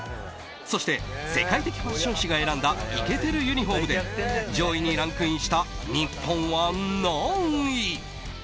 そして世界的ファッション誌が選んだイケてるユニホームで上位にランクインした日本は何位？